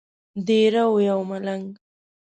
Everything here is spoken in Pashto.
دیره وو یو ملنګ.